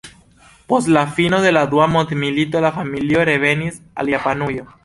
Post la fino de la Dua Mondmilito la familio revenis al Japanujo.